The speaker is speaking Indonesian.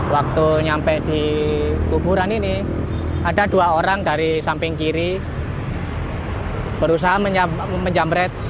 waktu sampai di kuburan ini ada dua orang dari sampingnya